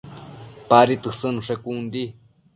Padi tësëdnushe con di